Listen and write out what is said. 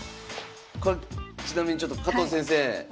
これちなみにちょっと加藤先生